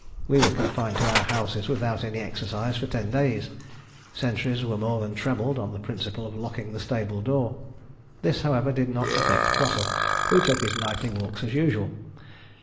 We were confined to our houses without any exercise for ten days; sentries were more than trebled on the principle of locking the stable door. This, however, did not affect Prosser, who took his nightly walks as usual.